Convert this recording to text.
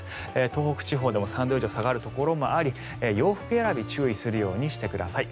東北地方でも３度以上下がるところもあり洋服選びに注意するようにしてください。